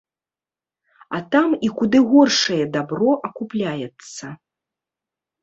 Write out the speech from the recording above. А там і куды горшае дабро акупляецца.